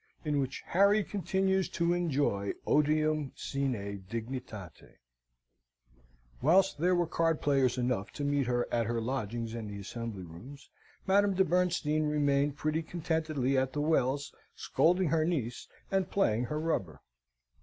In which Harry continues to enjoy Otium sine Dignitate Whilst there were card players enough to meet her at her lodgings and the assembly rooms, Madame de Bernstein remained pretty contentedly at the Wells, scolding her niece, and playing her rubber.